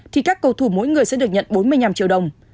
thì các cầu thủ mỗi người sẽ được nhận bốn mươi năm triệu đồng